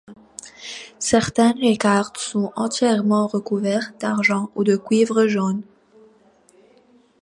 Certaines récades sont entièrement recouvertes d'argent ou de cuivre jaune.